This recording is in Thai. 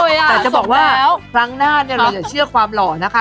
แต่จะบอกว่าครั้งหน้าเนี่ยเราอย่าเชื่อความหล่อนะคะ